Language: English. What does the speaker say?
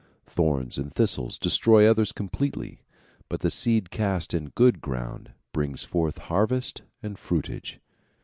Thorns and thistles destroy others completely ; but the seed cast in good ground brings forth harvest and fruitage.